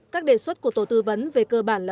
các đề xuất của tổ tư vấn về cơ bản là